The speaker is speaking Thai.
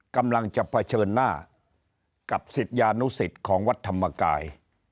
กำลังจะเผชิญหน้ากับสิทธิ์ยานุสิทธิ์ของวัดพระธรรมกาย